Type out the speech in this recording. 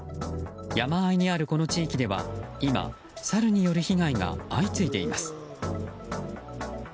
山あいにあるこの地域では今サルによる被害が相次いでいます。